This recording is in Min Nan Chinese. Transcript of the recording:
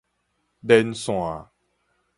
連線